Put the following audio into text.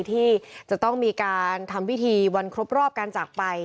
ที่จะต้องมีการทำพิธีวันครบรอบการจากไป